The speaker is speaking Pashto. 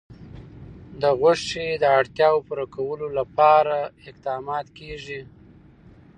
د غوښې د اړتیاوو پوره کولو لپاره اقدامات کېږي.